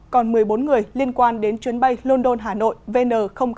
còn một mươi bốn người liên quan đến chuyến bay london hà nội vn năm mươi